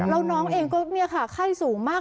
แล้วน้องเองก็เนี่ยค่ะไข้สูงมาก